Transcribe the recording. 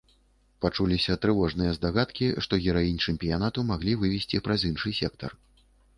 Пачуліся трывожныя здагадкі, што гераінь чэмпіянату маглі вывезці праз іншы сектар.